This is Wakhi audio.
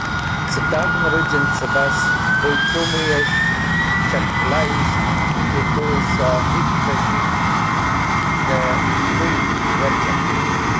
Cẽ Tag̃hm-e rũj en cẽbas, buytru mũyes̃h chat̃kẽlayisht dẽ k̃hũ sohib’v-e s̃hik̃h dẽ pũyn werc̃hen.